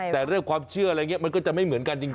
แต่เรื่องความเชื่ออะไรอย่างนี้มันก็จะไม่เหมือนกันจริง